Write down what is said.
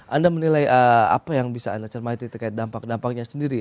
anda menilai apa yang bisa anda cermati terkait dampak dampaknya sendiri